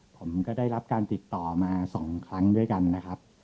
ผมก็ได้รับการติดต่อมา๒ครั้งด้วยกันนะครับ